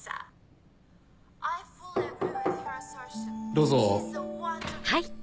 どうぞ。